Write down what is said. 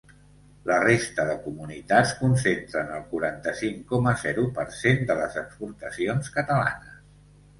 La resta de comunitats concentren el quaranta-cinc coma zero per cent de les exportacions catalanes.